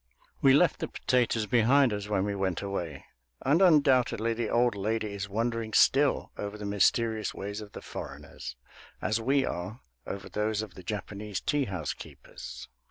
We left the potatoes behind us when we went away, and undoubtedly the old lady is wondering still over the mysterious ways of the foreigners, as we are over those of the Japanese tea house keepers.